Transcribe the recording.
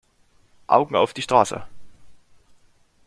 Augen auf die Straße!